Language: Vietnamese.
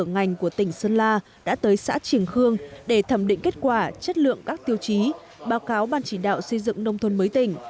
ngành của tỉnh sơn la đã tới xã triển khương để thẩm định kết quả chất lượng các tiêu chí báo cáo ban chỉ đạo xây dựng nông thôn mới tỉnh